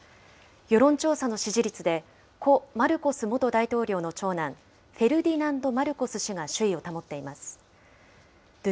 世論調査の支持率で、故・マルコス元大統領の長男、フェルディナンド・マルコス氏が首位を保っています。